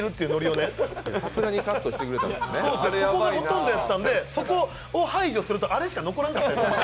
そこがほとんどやったんでそれを排除するとあれしか残らないんです。